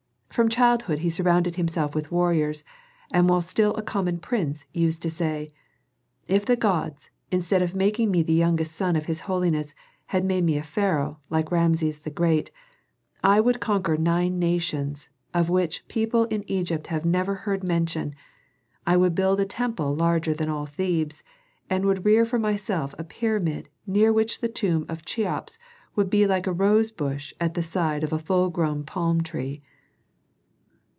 From childhood he surrounded himself with warriors, and while still a common prince, used to say, "If the gods, instead of making me the youngest son of his holiness, had made me a pharaoh, like Rameses the Great, I would conquer nine nations, of which people in Egypt have never heard mention; I would build a temple larger than all Thebes, and rear for myself a pyramid near which the tomb of Cheops would be like a rosebush at the side of a full grown palm tree."